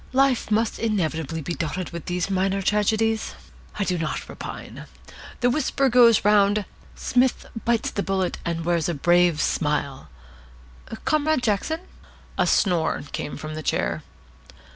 Life must inevitably be dotted with these minor tragedies. I do not repine. The whisper goes round, 'Psmith bites the bullet, and wears a brave smile.' Comrade Jackson " A snore came from the chair.